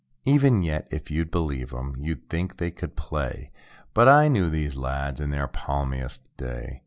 Even yet (if you'd b'lieve them) you'd think they could play. But I knew these lads in their palmiest day.